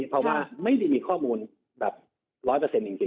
เพราะว่าไม่ได้มีข้อมูลแบบร้อยเปอร์เซ็นต์จริง